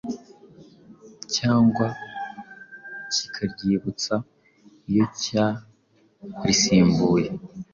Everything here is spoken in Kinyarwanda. cyangwa kikaryibutsa iyo cyarisimbuye.